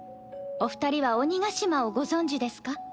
お二人は鬼ヶ島をご存じですか？